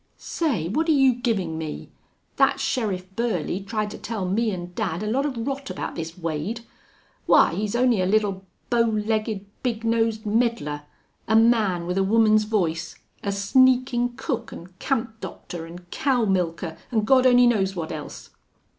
"Say, what're you giving me? That Sheriff Burley tried to tell me and dad a lot of rot about this Wade. Why, he's only a little, bow legged, big nosed meddler a man with a woman's voice a sneaking cook and camp doctor and cow milker, and God only knows what else."